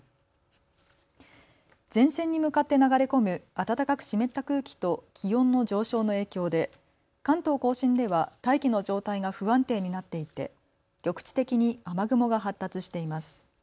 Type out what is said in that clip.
前線に向かって流れ込む暖かく湿った空気と気温の上昇の影響で関東甲信では大気の状態が不安定になっていて局地的に雨雲が発達しています。